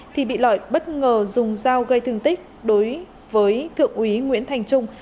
thì bị lợi bất ngờ dùng dao gây thương tích đối với thượng úy nguyễn thành trung